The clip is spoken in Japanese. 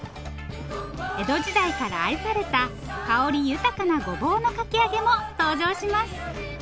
江戸時代から愛された香り豊かなごぼうのかき揚げも登場します。